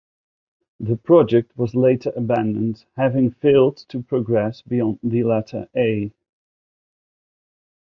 The project was later abandoned, having failed to progress beyond the letter "A".